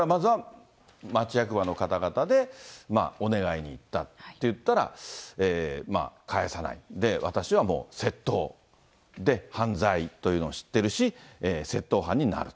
だからまずは町役場の方々でお願いに行ったって行ったら、返さない、私はもう窃盗、で、犯罪というのを知ってるし、窃盗犯になる。